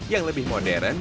yang lebih modern